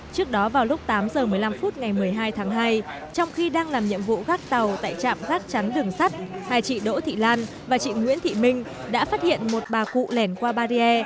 trước đó vào lúc tám giờ một mươi năm phút ngày một mươi hai tháng hai trong khi đang làm nhiệm vụ gắt tàu tại trạm gắt chán đường sắt hai chị đỗ thị lan và chị nguyễn thị minh đã phát hiện một bà cụ lẻn qua bariê